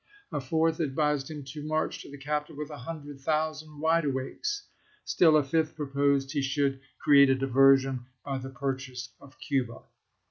A fourth advised him to march to the capital with a hundred thousand "wide awakes." Still a fifth proposed he should cfeate a diversion by the purchase of Cuba.